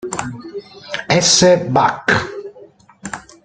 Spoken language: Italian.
S. Bach'.